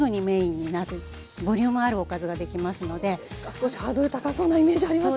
少しハードル高そうなイメージありますけど。